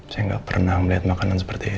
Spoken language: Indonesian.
saya nggak pernah melihat makanan seperti ini